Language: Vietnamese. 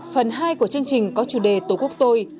phần hai của chương trình có chủ đề tổ quốc tôi